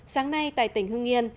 sáng nay tại tỉnh hương yên